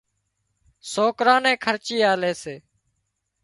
سوڪران نين خرچي آلي سي